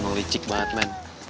emang licik banget men